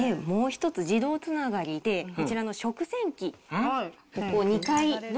もう一つ、自動つながりで、こちらの食洗機。